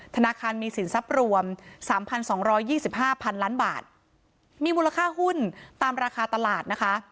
ธนาคารมีสินทรัพย์รวมสามพันสองร้อยยี่สิบห้าพันล้านบาทมีมูลค่าหุ้นตามราคาตลาดนะคะ